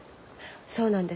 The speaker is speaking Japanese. そうなんです。